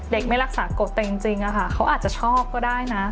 ไม่รักษากฎแต่จริงเขาอาจจะชอบก็ได้นะ